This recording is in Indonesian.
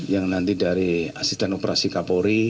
yang nanti dari asisten operasi kapolri